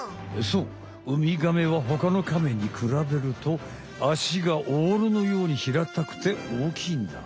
そうウミガメは他のカメにくらべるとアシがオールのように平たくて大きいんだ。